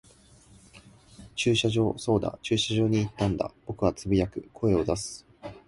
駐車場。そうだ、駐車場に行ったんだ。僕は呟く、声を出す。